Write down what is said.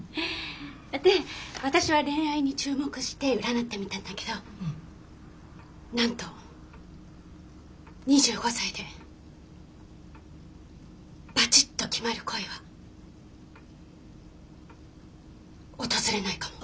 で私は恋愛に注目して占ってみたんだけどなんと２５歳でバチッと決まる恋は訪れないかも。